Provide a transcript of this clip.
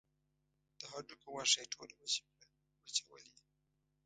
د هډوکو غوښه یې ټوله وچه کړه وچول یې.